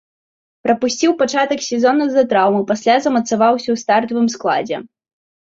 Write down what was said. Прапусціў пачатак сезона з-за траўмы, пасля замацаваўся ў стартавым складзе.